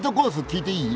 聞いていい？